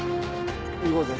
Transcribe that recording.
行こうぜ。